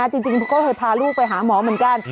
ของความเชื่อนนะจริงเขาพาลูกไปหาหมอเหมือนกัน